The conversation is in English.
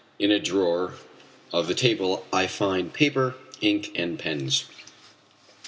In a drawer of the table I find paper, ink and pens.